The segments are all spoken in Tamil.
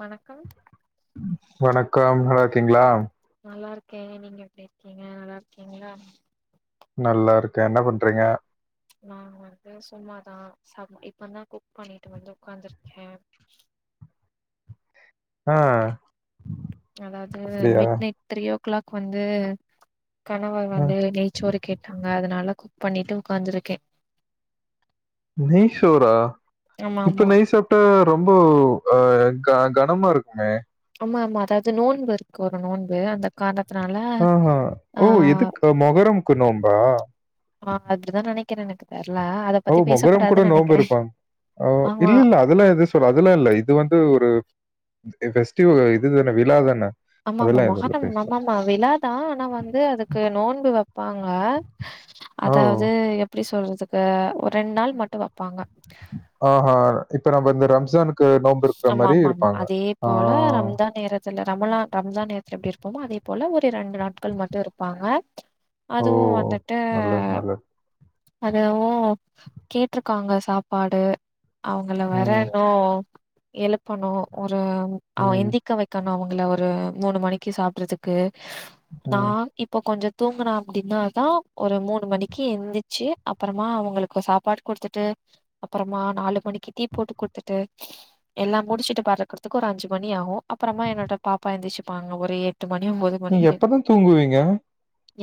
வணக்கம் வணக்கம் நல்லா இருக்கிங்களா நல்லா இருக்கே நீங்க எப்டி இருக்கீங்க நல்லா இருக்கீங்ளா நல்லா இருக்க என்ன பண்றீங்க நா வந்து சும்மாதா ச இப்ப தா குக் பண்ணிட்டு வந்து உக்காந்துருக்கே ஆ அதாவது அப்படியா? Midnight three o'clock வந்து கணவர் அ வந்து நெய்ச்சோறு கேட் பாங்க அதனால குக் பண்ணிட்டு உக்காந்துருக்கே நெய் சோறா ஆமா இப்ப ஆமா நெய்‌ சோ டு ரொம்பு அ க கனமா இருக்குங்க ஆமா ஆமா அதாவது நோன்பு இருக்கு ஒரு நோன்பு அந்த காரணத்துனால ஆஹா ஆ ஓ எதுக்கு மொகரமுக்கு நோம்பா ஆ அப்டிதா நெனைக்கிற எனக்கு தெர்ல அத ஓ பத்தி மொகரம் கூட பேசக்கூடாதுன்னு நெனைக்கிறே நோம்பிருப்பாங் அ ஆமா இல்ல இல்ல அ அதெல்லா எது சொல் அதெல்லா இல்ல இது வந்து ஒரு ஃபெஸ்டிவ் இதுதான விழா தான அதல்லா எது இல்ல பேசலா அ விழாதா ஆனா வந்து அதுக்கு நோன்பு வைப்பாங்க ஓ! அதாவது எப்டி சொல்றதுக்கு ஒரு ரெண்டு நாள் மட்டு வப்பாங்க ஆஹா இப்ப நம்ம இந்த ரம்சானுக்கு நோம்பு இருக்கற ஆமா, மாரி ஆமா, இருப்பாங்க அ அ சில ரமலான் ரம்ஜான் நேரத்துல எப்டி இருப்போமோ அதே போல ஒரு ரெண்டு நாட்கள் மட்டு இருப்பாங்க ஓ! அதுவு வந்துட்டு நல்லது, நல்லது. அதுவு கேட்ருக்காங்க சாப்பாடு அவுங்கள வேற ம், லோ எழுப்பணு ஒரு அவ ம், எந்திக்க வை கண்ணா அவுங்கள ஒரு மூணு மணிக்கு சாப்பட்றதுக்கு ம். நான் இப்போ கொஞ்சோ தூங்கனோ அப்டினா தா ஒரு மூணு மணிக்கு எந்தி வச்சு அப்பறமா அவங்களுக்கு சாப்பாடு குடுத்துட்டு அப்புறமா நாலு மணிக்கு டீ போட்டு குடுத்துட்டு [inaudible] எல்லா முடிச்சிட்டு பறக்குறக்கு ஒரு அஞ்சி மணி ஆகு அப்பறமா என்னோட பாப்பா எந்திச்சிப்பாங்க ஒரு எட்டு மணி ஒம்போது நீங்க மணிக்கு எப்பதா தூங்குவீங்க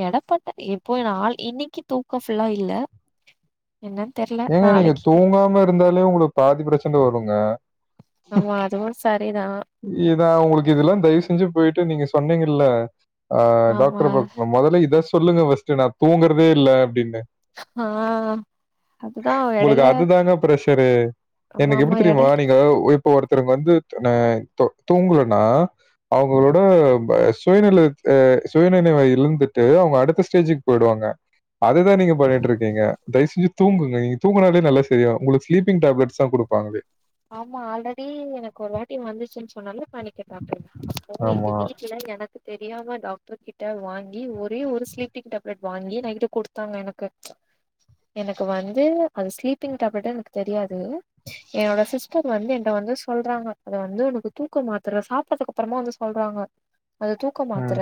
எடப்பட்ட எப்போ நா இன்னைக்கு தூக்கம் ஃபுல்லா இல்ல என்னன் தெர்ல ஏங்க நீங்க நாளைக்கு தூங்காம இருந்தாலே உங்களுக்கு பாதி பிரச்சன வருங்க ஆமா அதுவு சரிதா இதா உங்களுக்கு இதல்லா தயவு செஞ்சு போயிட்டு நீங்க சொன்னீங்கல்ல ஆ ஆமா டாக்டர்ர பாக்க மொதல்ல இத சொல்லுங்க ஃபர்ஸ்ட்டு நா தூங்குறதே இல்ல அப்டீன்னு ஹ உங்களுக்கு அதுதாங்க ப்ரஷரு ஆமா எனக்கு ஆமா எப்டி தெரியுமா எடையில நீங்க ஒ இப் இப்போ ஒருத்தருங் வந்து நா தோ தூங்கலன்னா அவங்களோட ப்ப சுயநலத்த சுயநெனைவ இழுந்துட்டு அவுங்க அடுத்த ஸ்டேஜுக்கு போய்டுவாங்க அதுதா நீங்க பண்ணீட்ருக்கீங்க தைசெஞ் ம் தூங்குங்க நீங்க தூங்குனாலே நல்லா சரியாவு உங்குளுக்கு ஸ்லீப்பிங் டேப்லட்ஸ் தா குடுப்பாங்களே ஆமா ஆல்ரடி எனக்கு ஒரு வாட்டி வந்துச்சுன்னு சொன்னேல பேணிக் அட்டாக் அப்போ எங்க ஆமா. வீட்டுல எனக் தெரியாம டாக்டர் கிட்ட வாங்கி ஒரே ஒரு ஸ்லீப்பிங் டேப்லெட் வாங்கி நைட்டு கொடுத்தாங்க எனக்கு எனக்கு வந்து அது ஸ்லீப்பிங் டேப்லட்டா எனக்கு தெரியாது என்னோட சிஸ்டர் வந்து என்ட வந்து சொல்றாங்க அத வந்து உனக்கு தூக்கு மாத்தற சாப்டதுக்கு அப்பறமா வந்து சொல்றாங்க அது தூக்க ம். மாத்தர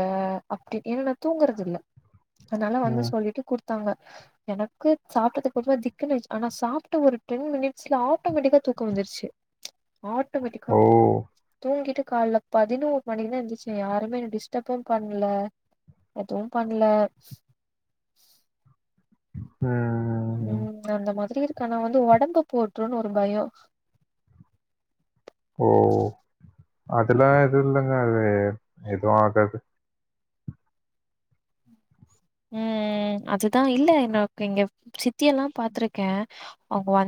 அப்டி ஏன்னா நா தூங்குறதுல்ல அதனால வந்து ம். சொல்லீட்டு குடுத் தாங்க எனக்கு சாப்டதுக்கு பதிலா திக்குணு ஆயிர்ச் ஆனா சாப்ட ஒரு டென் மினிட்ஸ்ல ஆட்டோ மேட்டிக்கா தூக் தூக்கோ வந்துருச்சு ஆட்டோமேட்டிக்கா ஓ! தூங்கிட்டு கால்ல பதினோர் மணிக்கு தா எந்திர்ச்சே யாருமே என்ன டிஸ்டப்பே பண்ல எதுவு பண்ல ம் ம் அந்த மாதிரி இருக்க ஆனா வந்து ஒடம்பு போட்ரூன் ஒரு பயோ ஓ அதுல எது இல்லங்க அது எது ஆகாது ம் ம் அதுதா இல்ல நாக்கு இங்க சித்தியெல்லா பாத்துருக்கே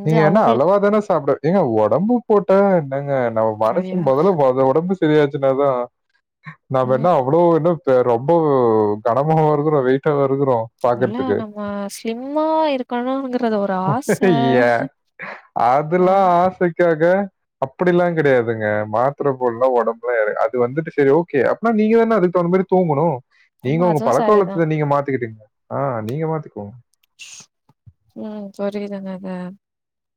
நீங்க என்ன அளவா தான சாப்டு ஏங்க ஒடம்பு போட்டா என்னங்க நம்ம மனசு ஐயோ! மொதல்ல மொத ஒடம்பு செரியாச்சின்னாதா நாம என்ன ம். அவ்ளோ என்ன பெ ரொம்போ கனமாவா இருக்கொறோ வெயிட்டாவா இருக்கொறோ இல்ல நம்ம ஸ்லிம்மா இருக்கணுங்கறது ஒரு ஆச அய்ய அதெல்லா ஏன்னா ஆசைக்காக அப்டிலா கெடையாதுங்க மாத்தர போல்லா உடம்புலா ஏரா அது வந்துட்டு சரி ஓகே அப்னா நீங்க தான அதுக்கு தவுந்தமாரி தூங்குணு நீங்க ஆமா உங்க அதுவும் சரிதான். பழக்கவலத்த நீங்க மாத்திக்குட்டீங்க ஆ நீங்க மாத்திக்கோங்க ம் சொரி தாங்க அத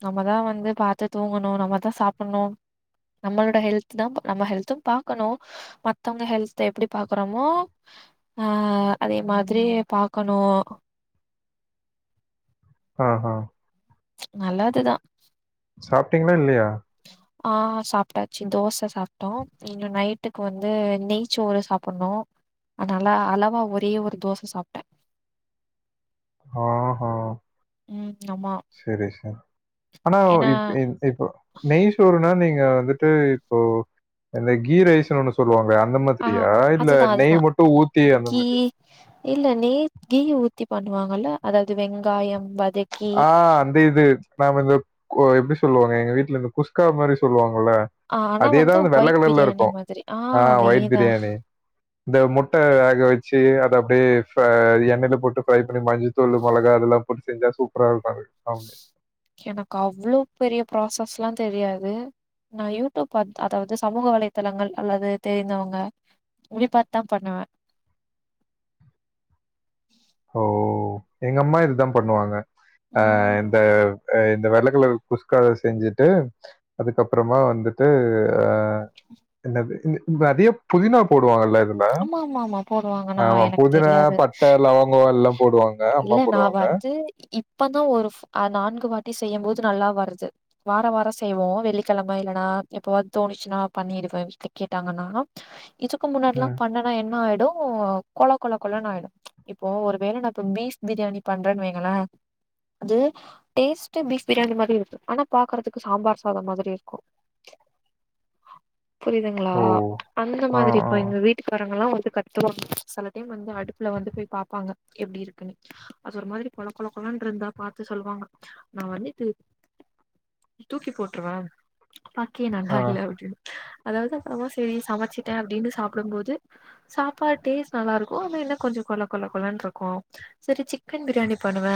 நாம தா வந்து பாத்து தூங்கணு நம்ம தா சாப்புன்னு நம்மளோட ஹெல்த்து தா நம்ம ஹெல்து பாக்கணு மத்தவங்க ஹெல்த்த எப்டி பாக்குறமோ ஆ அதே மாதிரி பாக்கணு ஆ ஹ நல்லதுதா சாப்டீங்ளா இல்லையா ஆ சாப்டாச்சு தோச சாப்டோ இன்னு நைட்டுக்கு வந்து நெய்ச்சோறு சாப்புணு அ நல்லா அளவா ஒரே ஒரு தோச சாப்ட ஆஹா ம் ஆமா. செரி செரி ஆனா ஏன்னா இப் ஏ இப்போ நெய் சோறுன்னா நீங்க வந்துட்டு இப்போ இந்த கீ ரைசுனு ஒண்ணு சொல்லுவாங்களே அந்த ஆ மாதிரியா இல்ல அதுதான், நெய் அதுதான். மட்டு ஊத்தி அந்த கீ மாரியா இல்ல நெய் கீய ஊத்தி பண்ணுவாங்கல்ல அதாவது வெங்காயம் வதக் ஆ அந்த இது நாம இந்த ஓ எப்டி சொல்லுவாங்க எங்க வீட்ல இந்த குஸ்கா மாரி சொல்லுவாங்கல்ல ஆ ஆனா அதேதா வந்து வெள்ள ஒயிட் கழர்ல்ல பிரியாணி இருக்கு மாதிரி. ஆ ஒயிட் அதேதான். பிரியாணி இந்த முட்ட வேக வெச்சு அத அப்டியே எண்ணெய்ல போட்டு ஃப்ரை பண்ணி மஞ்சள்த்தூளு மொளகா அதெல்லா இப்டி செஞ்சா சூப்பரா இருக்கு அது எனக்கு அவ்ளோ பெரிய ப்ராசஸ்லா தெரியாது நா யூடியூப் அதாவது சமூக வலைதளங்கள் அல்லது தெரிந்தவங்க [unintelligible] பாத்து தா பண்ணுவே ஓ எங்க அம்மா இதுதா பண்ணுவாங்க அ ம். இந்த அ இந்த வெள்ள கலர் குஸ்காத செஞ்சுட்டு அதுக்கப்பறமா வந்துட்டு அ என்னது [unintelligible] அதிக புதினா போடுவாங்கல்ல ங்க ஆமா, ஆமா, ஆமா போடுவாங்க. ஆமா நான் எனக்கு புதினா தெரியாது. பட்ட லவங் ங்கோ எல்லா போடுவாங்க அம்மா போடுவாங்க இப்பதா ஒரு நான்கு வாட்டி செய்ய போது நல்லா வருது வார வார செய்வோ வெள்ளிக்கெழம இல்லன்னா எப்பவாது தோணிச்சுன்னா பண்ணிருவே வீட்ல கேட்டாங்கன்னா இதுக்கு முன்னாடில்லா ம். பண்ணனா என்ன ஆயிடு கொழக் கொழக் கொழன்னு ஆயிடு இப்போ ஒருவேள நா இப்ப பீஃப் பிரியாணி பண்றேன்னு வைங்களே அது டேஸ்ட் பீஃப் பிரியாணி மாரி இருக்கு ஆனா பாக்கறதுக்கு சாம்பார் சாதோ மாதிரி இருக்கும் புரியுதுங்களா ஓ அந்த ஆ மாதிரி ஆ இப்போ எங்க வீட் வட்டிக்காரங்கல்லா வந்து கத்துவா சில டைம் வந்து அடுப்புல வந்து போய் பாப்பாங்க எப்டி இருக்குன்னு அது ஒரு மாதிரி கொழக் கொழக் கொழன் இருந்தா பாத்து சொல்வாங்க நா வர்ணித்து தூக்கி போட்டுருவ பாக்கயே நல்லா ஆ இல்ல அப்டின்னு அதாவது அப்றமா சேரி சமச்சிட்டே அப்டின்னு சாப்டம் போது து சாப்பாட் டேஸ்ட் நல்லா இருக்கு அது என்ன கொஞ்ச கொழ கொழ கொழன்ருக்கு சரி சிக்கன் பிரியாணி பண்ணுவ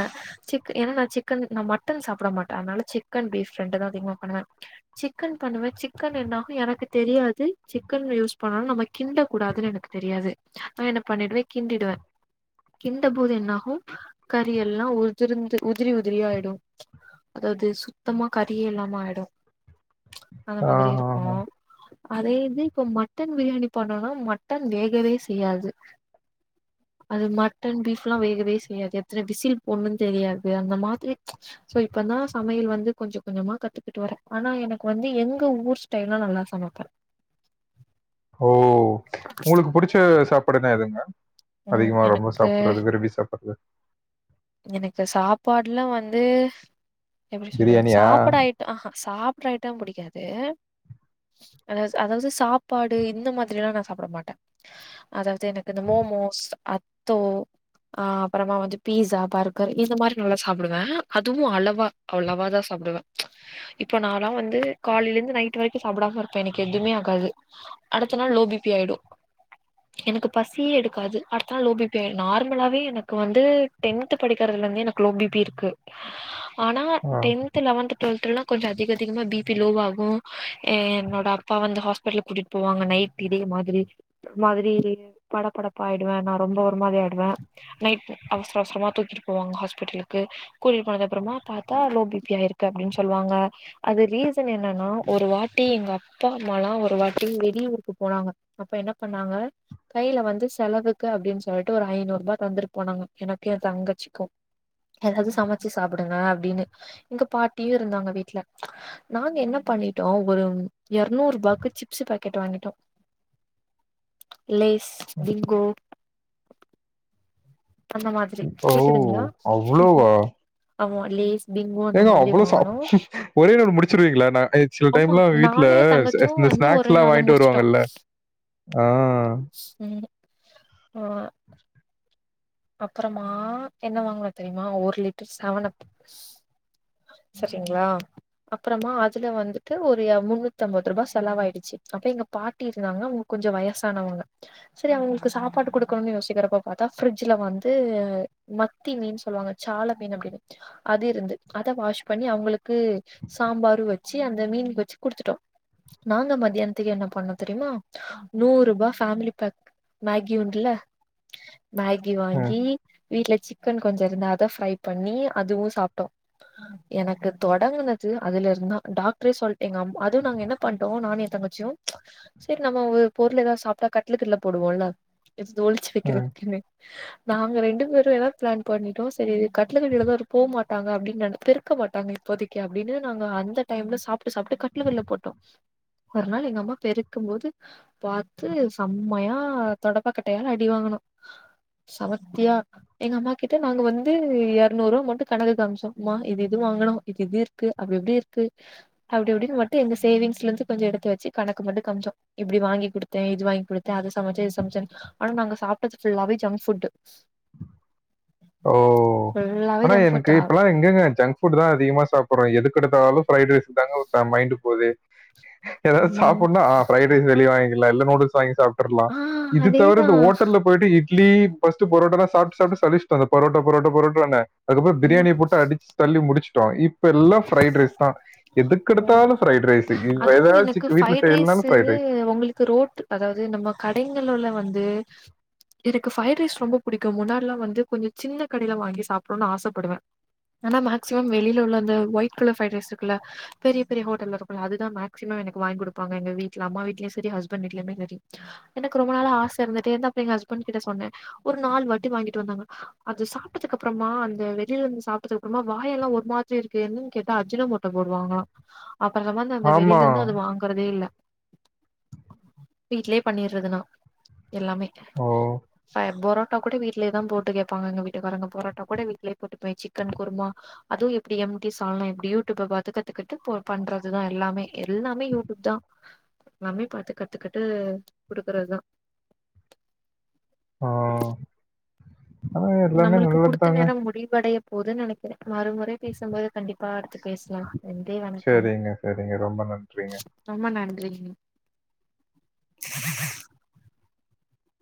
சிக்க ஏன்னா நா சிக்கன் நா மட்டன் சாப்ட மாட்ட அதனால சிக்கன் பீஃப் ரெண்டு தான் அதிகமா பண்ணுவ சிக்கன் பண்ணுவே சிக்கன் என்னாகு எனக்கு தெரியாது சிக்கன் யூஸ் பண்ணனு நம்ம கிண்ட கூடாதுன்னு எனக்கு தெரியாது நா என்ன பண்ணிடுவே கிண்டிடுவ கிண்ட போது என்னாகு கறி எல்லா உதிர்ந்து உதிரி உதிரியா ஆயிடு அதாது சுத்தமா கறியே இல்லாம ஆய்டு அந்த ஆ மாதிரி ஆ, இருக்கூ ஆ. அதே இது இப்ப மட்டன் பிரியாணி பண்ணோனா மட்டன் வேகவே செய்யாது அது மட்டன் பீஃப் எல்லா வேகவே செய்யாது எத்தன விசில் போட்ணு தெரியாது அந்த மாதிரி சோ இப்பதா சமையல் வந்து கொஞ்சொ கொஞ்சமா கத்துக்கிட்டு வரே ஆனா எனக்கு வந்து எங்க ஊர் ஸ்டைல்னா நல்லா சமப்பே ஓ உங்களுக்கு புடிச்ச சாப்பாடுனா எதுங் மேம் ம் அதிகமா ரொம்ப எனக்கு சாப்பட்றது விரும்பி சாப்பட்றது எனக்கு சாப்பாடுல்லா வந்து எப்டி சொல்றது பிரியாணியா சாப்ட ஆயி ஆஹா சாப்ட்ற ஐட்டம் புடிக்காது அதாவ அதாவ்து சாப்பாடு இந்த மாதிரி எல்லா நா சாப்புட மாட்டே அதாவது எனக்கு இந்த மோமோஸ் அத்தோ அ அப்பறமா வந்து பீஸா பர்கர் இந்த மாரி நல்லா சாப்டுவ அதுவு அளவா அளவா தா சாப்டுவ இப்ப நால்லா வந்து காலைல இருந்து நைட் வரைக்கு சாப்டாம இருப்பே எனக்கு எதுவுமே ஆகாது அடுத்த நாள் லோ பிபி ஆய்டு எனக்கு பசியே எடுக்காது அத்தா லோ பி பி அய்ரு நார்மலாவே எனக்கு வந்து டென்த் படிக்கிறதுல இருந்தே எனக்கு லோ பி பி இருக்கு ஆனா ஆ. டென் டென்த்து லவென்த்து டுவெல்த்லல்லா கொஞ்சொ அதிக அதிகமாக பிபி லோவ் ஆகு என்னோட அப்பா வந்து ஹாஸ்பிட்டல் கூட்டிட் போவாங்க நைட் இதே மாதிரி மாதிரி படப்படப்பா ஆயிடுவே நா ரொம்ப ஒரு மாதி ஆயிடுவே நைட் அவசர அவசரமா தூக்கிட்டு போவாங்க ஹாஸ்பிட்டலுக்கு கூட்டிட் போனது அப்பறமா பாத்தா லோ பி பி ஆய்ருக்கு அப்டின் சொல்வாங்க அது ரீசன் என்னன்னா ஒரு வாட்டி எங்க அப்பா அம்மாலா ஒரு வாட்டி வெளியூர்க்கு போனாங்க அப்ப என்ன பண்ணாங்க கைல வந்து செலவுக்கு அப்படின் சொல்லிட்டு ஒரு ஐநூறு ரூபா தந்துட்டு போனாங்க எனக்கு என் தங்கச்சிக்கு எதாவது சமச்சி சாப்புடுங்க அப்டின்னு எங்க பாட்டியு இருந்தாங்க வீட்டு்ல நாங்க என்ன பண்ணிட்டோ ஒரு எர்நூறு ரூபாக்கு சிப்ஸ் பாக்கெட் வாங்கிட்டோ லேஸ் பிங்கோ அந்த மாதிரி ஓ கேக்குதுங்களா அவ்வளோவா ஆமா லேஸ் பிங்கோ அந்த ஏங்க மாதிரி அவ்வளோ சாப் வாங்கனோ ஒரே நாள் முடிச்சிருவீங்களா நா சில ஆமா டைம்லா வீட்ல நானு எ ச தங்கச்சியு இந்த வந்து ஸ்நாக் ஒரே ல்லா நாள்ல வாங்கிட்டு முடிச்சுட்டோ வருவாங்கல்ல ஆ ம் ஆ அப்புறமா என்ன வாங்குனோனு தெரியுமா ஒரு லிட்டர் செவனப்பு சரிங்களா அப்புறமா அதுல வந்துட்டு ஒரு முன்னூத்து ஐம்பது ரூபாய் செலவாயிடுச்சி அப்ப எங்க பாட்டி இருந்தாங்க அவங்களுக் கொஞ்சோ வயசானவங்க சரி அவங்களுக் சாப்பாடு குடுக்கணுனு யோசிக்கிறப்ப பாத்தா பிரிட்ஜ் சுல வந்து மத்தி மீன் சொல்லுவாங்க சால மீன் அப்டின்னு அது இருந்து அத வாஷ் பண்ணி அவங்களுக்கு சாம்பாரு வச்சி அந்த மீன் வச்சி குடுத்துட்டோ நாங்க மதியானத்துக்கு என்ன பண்ணோ தெரியுமா நூறு ரூபா பேமிலி பேக் மேகி உண்டுல மேகி அ, வாங்கி வீட்டுல சிக்கன் கொஞ்ச இருந்த அத ஃப்ரை பண்ணி அதுவு சாப்ட்டோ எனக்கு தொடங்குனது அதுல இருந்தா டாக்டரே சொல்ட் எங் அம் அதுவு நாங்க என்ன பண்ட்டோ நானு எ தங்கச்சியு சரி நம்ம வ பொருள் ஏதா சாப்ட்டா கட்லுக்கு அடியில போடுவோல்ல இத ஒளிச்சி அ. வைக்றதுக் எனக் நாங்க ரெண்டு பேருமேதா பிளான் பண்ணிட்டோ சரி கட்டுலுக்குகடியிலதா போமாட்டாங்க அப்டின் நெ பெருக் க்க மாட்டாங்க இப்போதைக்கு அப்டின்னு நாங்க அந்த டைம்ல சாப்ட்டு சாப்ட்டு கட்லுக்கடியில போட்டோ ஒருநாள் எங்க அம்மா பெருக்கும் போது பாத்து செம்மையா தொடப்பா கட்டையால அடிவாங்குனோ சமத்தியா எங்க அம்மா கிட்ட நாங்க வந்து இரநூறு ரூவா மட்டும் கணக்கு காமிச்சோ ம்மா இது இது வாங்கினோ இது இது இருக் க்கு அப்டி அப்டி இர்க்கு அப்படி அப்படின் மட்டு எங்க சேவிங்ஸ்ல இருந்து கொஞ்ச எடுத்து வெச்சு கணக்கு மட்டு காம்ஞ்ஜோ இப்டி வாங்கி குடுத்தே இது வாங்கி குடுத்தே த அது சமைச்சே இது சமைச்சேனு ஆனா நாங்க சாப்ட்டது ஃபுல்லாவே ஜங்க் ஃபுட்டு் ஓ ஆனா எனக்கு இப்பல்லா எங்கங்க ஜங்க்ஃபுட்டுதா அதிகமா சாப்பற்றோ எதுக்கெடுத்தாலு ஃபிரைட் ரைஸ்க் தாங்க மைண்டு போது ஏதாது ஆமாம் சாப்புட்னா ஃப்ரைட் ரைஸ் வெளிய வாங்கிக்கலா இல்ல நூடுல்ஸ் வாங்கி சாப்ட் ர்லா ஆ இதுதவிர இந்த அதேதான் ஹோட்டல்ல போய்ட்டு இட்லி ஃபர்ஸ்ட்டு புரோட்டாலா சாப்ட்டு சாப்ட்டு சலிச்சி அந்த பரோட்டா பரோட்டா பரோட்டானு அதுக்கப்புறோ ம் பிரியாணி போட்டு அடிச்சு தள்ளி முடிச்சுட்டோ இப் இப்ப எல்லா ஃப்ரைட் ரைஸ் தா ம் எதுக்கெடுத்தாலு ஃப்ரைடு ரைஸ் இ அதுவு ஏதாவது எனக்கு சிக் வீட்ல ஃப்ரைட் செய்யலனாலு ரைஸு ஃப்ரைட் ரைஸ் உங்களுக்கு ரோட் அதாவது நம்ம கடைங்கள்ல உள்ள வந்து எனக்கு ஃப்ரைட் ரைஸ் ரொம்ப பிடிக்கு முன்னாட்லா வந்து கொஞ்ச சின்ன கடைல வாங்கி சாப்பிடுனு ஆசப்படுவே ஆனா மேக்சிமம் வெளியில உள்ள அந்த ஒயிட் கலர் ஃப்ரைட் ரைஸ் இருக்குல்ல பெரிய பெரிய ஹோட்டல்ல இருக்கல்ல அதுதா மேக்சிமம் எனக்கு வாங்கி குடுப்பாங்க எங்க வீட்ல அம்மா வீட்லயு சரி ஹஸ்பண்ட் வீட்லயுமே சரி எனக்கு ரொம்ப நாளா ஆச இருந்துட்டே இருந்து அப்றோ எ ஹஸ்பண்ட் கிட்ட சொன்னே ஒரு நாலு வாட்டி வாங்கிட்டு வந்தாங்க அது சாப்ட்டதுக்கப்பறமா அந்த வெளிலருந்து சாப்ட்டதுக்கப்பறமா வாயெல்லா ஒரு மாத் ச்சிருக்கு என்னன் கேட்டா அஜுனமோட்டோ போடுவாங்களா அப்பற சொன்னாங்க அந்த ஆமா. வெளில இருந்து அது வாங்க க்கறதே இல்ல இத வீட்லே பண்ணிட்றது நா எல்லாமே ஓ! அ பொரோ ட்டா கூட வீட்லேதா போட்டு கேப்பாங்க எங்க வீட்டுக்காரங்க பொரட்டாக்கூட வீ்ட்லே போட்டுப்பே சிக்கன் குருமா அதுவு எப்டி எம்ட்டி சால்னா எப்டி யூட்யூப பாத்து கத்துக்கிட் ட்டு பொ பண்றதுதா எல்லாமே எல்லாமே யூடியூப் தா எல்லாமே பாத்து கத்துக்கிட்டு குடுக்கறதுதா ஆ ஆனா எல்லாமே நம்மளுக்கு நல்லது குடுத்த தாங்க. நேரம் முடிவடைய போதுனு நினைக்கிறே மறுமுறை பேசும்போது கண்டிப்பா அடுத்து பேசலா நன்றி வணக்கம் செரிங்க செரிங்க ரொம்ப நன்றிங்க ரொம்ப நன்றிங்